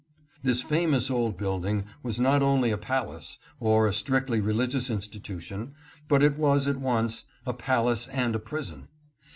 This famous old building was not only a palace, or a strictly religious institution, but it was at once a palace and a prison.